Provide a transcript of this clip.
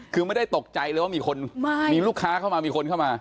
คือไม่ได้ตกใจเลยว่ามีคนมีลูกค้าเข้ามามีคนเข้ามา